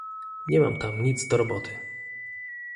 Nie mam tam nic do roboty